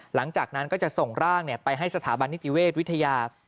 หลังจากนั้นก็จะส่งร่างไปให้สถาบันนิติเวชวิทยา